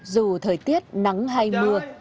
dù thời tiết nắng hay mưa